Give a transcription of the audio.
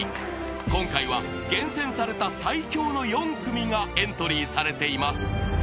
［今回は厳選された最強の４組がエントリーされています］